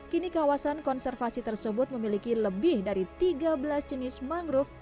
kini kawasan konservasi tersebut memiliki lebih dari tiga belas jenis mangrove